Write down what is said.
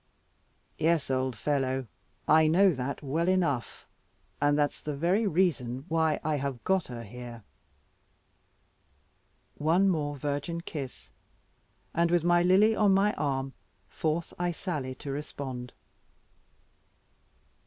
"Yes, old fellow, I know that well enough; and that's the very reason why I have got her here." One more virgin kiss, and with Lily on my arm, forth I sally to respond.